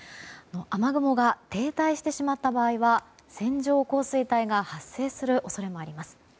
雨雲が停滞してしまった場合は線状降水帯が発生する恐れもあります。